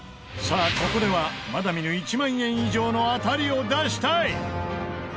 さあここではまだ見ぬ１万円以上の当たりを出したい！